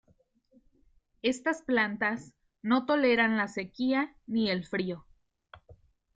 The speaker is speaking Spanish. Estas plantas no toleran la sequía ni el frío.